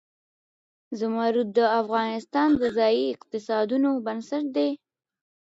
زمرد د افغانستان د ځایي اقتصادونو بنسټ دی.